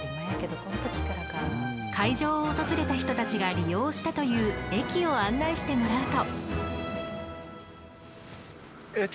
会場を訪れた人たちが利用したという駅を案内してもらうと。